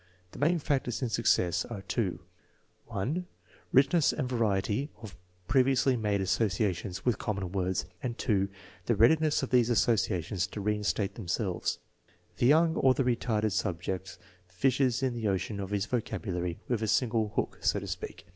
The main factors in success are two, (1) richness and variety of previously made associa tions with common words; and () the readiness of these associations to reinstate themselves. The young or the re tarded subject fishes in the ocean of his vocabulary with a single hook, so to speak.